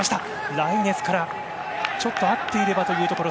ライネスから、最後合っていればというところ。